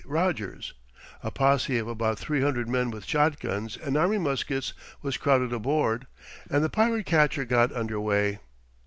Rogers, a posse of about three hundred men with shotguns and army muskets was crowded aboard, and the pirate catcher got under way.